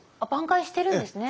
挽回してるんですね。